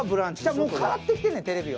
もう変わってきてるんや、テレビは。